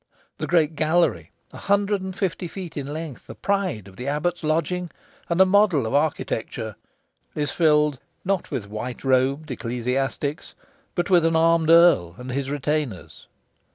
The great gallery, a hundred and fifty feet in length, the pride of the abbot's lodging, and a model of architecture, is filled not with white robed ecclesiastics, but with an armed earl and his retainers.